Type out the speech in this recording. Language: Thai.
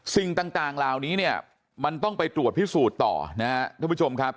สิ่งต่างราวนี้มันต้องไปตรวจพิสูจน์ต่อนะครับทุกผู้ชมครับ